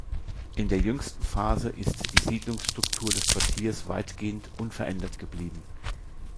In der jüngsten Phase ist die Siedlungsstruktur des Quartiers weitgehend unverändert geblieben.